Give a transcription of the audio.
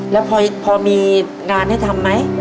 แล้วพอมีงานให้ทำไหม